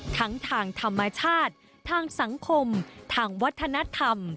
ทางธรรมชาติทางสังคมทางวัฒนธรรม